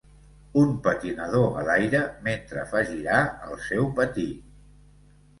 Un patinador a l'aire mentre fa girar el seu patí